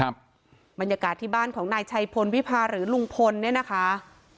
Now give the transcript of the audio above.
บรรยากาศที่บ้านของนายชัยพลวิพาหรือลุงพลเนี่ยนะคะ